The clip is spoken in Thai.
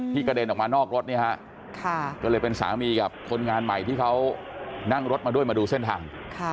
กระเด็นออกมานอกรถเนี่ยฮะก็เลยเป็นสามีกับคนงานใหม่ที่เขานั่งรถมาด้วยมาดูเส้นทาง